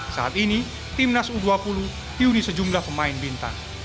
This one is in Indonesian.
saat ini timnas u dua puluh dihuni sejumlah pemain bintang